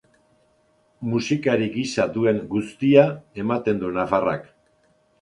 Musikari gisa duen guztia ematen du nafarrak.